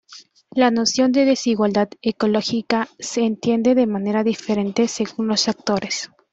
La noción de desigualdad ecológica se entiende de manera diferente según los actores.